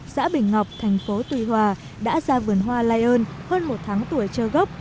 xã bình ngọc thành phố tùy hòa đã ra vườn hoa lai ơn hơn một tháng tuổi trơ gốc